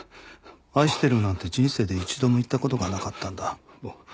愛してるなんて人生で一度も言った事がなかったんだ。